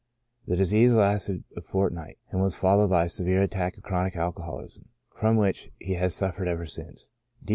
The disease lasted a fortnight, and was followed by a severe attack of chronic alcoholism, from which he has suffered ever since.